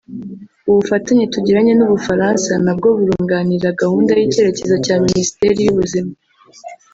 “Ubu fatanye tugiranye n’u Bufaransa nabwo burunganira gahunda y’icyerekezo cya Minisiteri y’Ubuzima